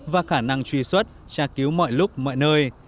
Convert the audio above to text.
và khả năng truy xuất tra cứu mọi lúc mọi nơi